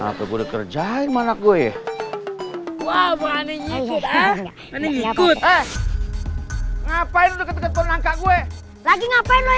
atau boleh kerjain anak gue wah wang ini ngikut ngapain deket deket nangka gue lagi ngapain lo